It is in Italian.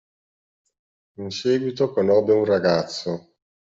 In seguito conobbe un ragazzo